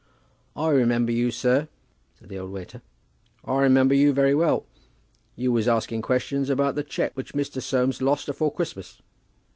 "I remember you, sir," said the old waiter. "I remember you very well. You was asking questions about the cheque which Mr. Soames lost afore Christmas."